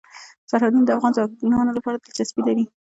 سرحدونه د افغان ځوانانو لپاره دلچسپي لري.